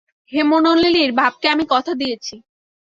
হেমনলিনীর বাপকে আমি কথা দিয়াছি।